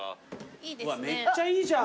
めっちゃいいじゃん！